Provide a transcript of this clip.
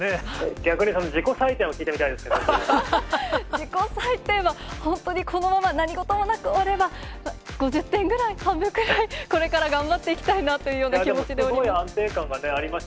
逆に自己採点を聞いてみたい自己採点は本当にこのまま何事もなく終われば、５０点ぐらい、半分ぐらい、これから頑張っていきたいなというような気持ちでおります。